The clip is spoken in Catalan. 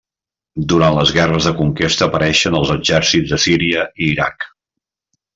Durant les guerres de conquesta apareixen als exèrcits de Síria i Iraq.